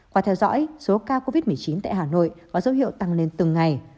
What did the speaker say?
qua theo dõi số ca covid một mươi chín tại hà nội có dấu hiệu tăng lên từng ngày